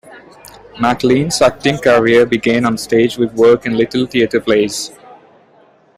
McLean's acting career began on stage with work in little theater plays.